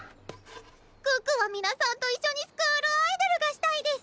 ⁉可可は皆さんと一緒にスクールアイドルがしたいデス！